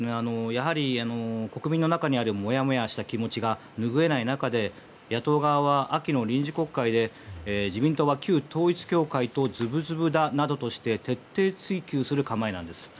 国民の中にあるもやもやとした気持ちがぬぐえない中で野党側は、秋の臨時国会で自民党は旧統一教会とズブズブだなどとして徹底追及する構えなんです。